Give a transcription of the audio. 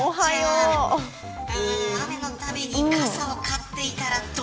雨のたびに傘を買っていたらど